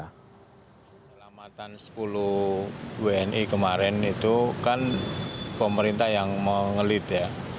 penyelamatan sepuluh wni kemarin itu kan pemerintah yang mengelit ya